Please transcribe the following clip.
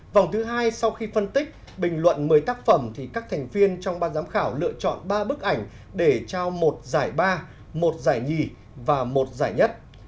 vòng thứ hai sau khi phân tích bình luận một mươi tác phẩm các thành viên trong ban giám khảo lựa chọn ba bức ảnh để trao một giải ba một giải nhì và một giải nhất